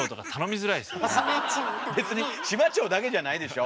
別にシマチョウだけじゃないでしょ。